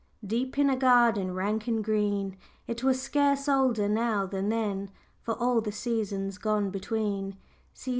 "Deep in a garden, rank and green, It were scarce older now than then, For all the seasons gone between."